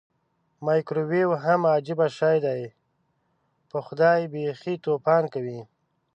مایکرو ویو هم عجبه شی دی پخدای بیخې توپان کوي.